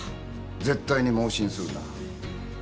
絶対に妄信するな。